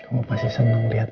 kamu pasti senang liat